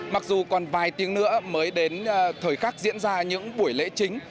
mặc dù còn vài tiếng nữa mới đến thời khắc diễn ra những buổi lễ chính